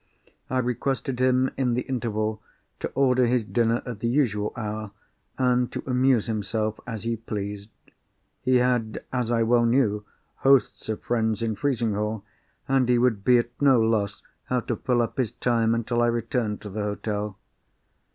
I requested him, in the interval, to order his dinner at the usual hour, and to amuse himself as he pleased. He had, as I well knew, hosts of friends in Frizinghall; and he would be at no loss how to fill up his time until I returned to the hotel.